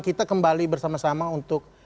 kita kembali bersama sama untuk